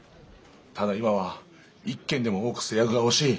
ただ今は一件でも多く成約が欲しい！